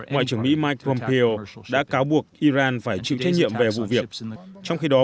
ngoại trưởng mỹ mike pompeo đã cáo buộc iran phải chịu trách nhiệm về vụ việc trong khi đó